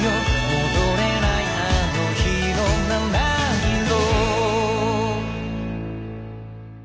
「戻れないあの日の七色」